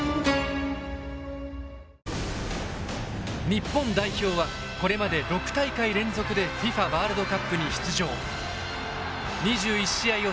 日本代表はこれまで６大会連続でＦＩＦＡワールドカップに出場。